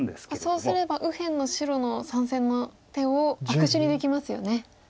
そうすれば右辺の白の３線の手を悪手にできますよね。